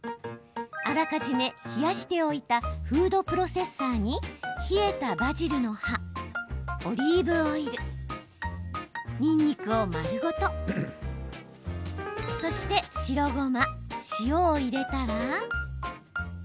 あらかじめ、冷やしておいたフードプロセッサーに冷えたバジルの葉オリーブオイルにんにくを丸ごと、そして白ごま、塩を入れたら。